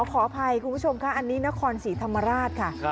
ขออภัยคุณผู้ชมค่ะอันนี้นครศรีธรรมราชค่ะ